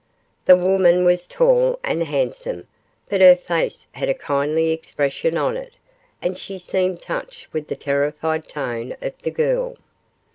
The woman was tall and handsome, but her face had a kindly expression on it, and she seemed touched with the terrified tone of the girl.